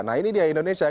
nah ini dia indonesia